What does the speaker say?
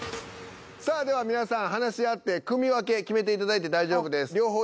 さあでは皆さん話し合って組分け決めていただいて大丈夫です。